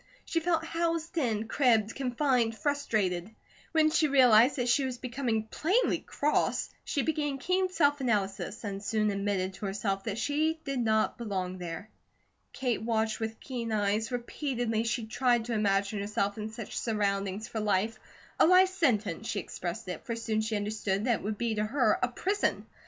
She felt housed in, cribbed, confined, frustrated. When she realized that she was becoming plainly cross, she began keen self analysis and soon admitted to herself that she did not belong there. Kate watched with keen eyes. Repeatedly she tried to imagine herself in such surroundings for life, a life sentence, she expressed it, for soon she understood that it would be to her, a prison.